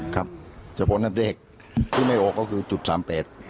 แต่พวกนัดเด็กที่ไม่โอกก็คือจุด๓เฟส